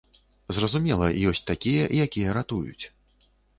Зразумела, ёсць такія, якія ратуюць.